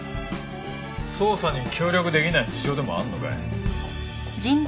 捜査に協力できない事情でもあるのかい？